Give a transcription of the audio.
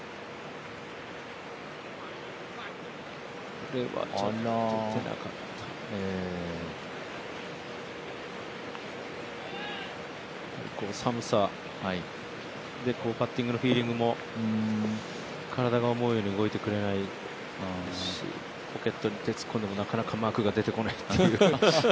これはちょっと打てなかった寒さでパッティング、フィーリングも体が思うように動いてくれないですしポケットに手を突っ込んでもなかなかマークが出てこないという。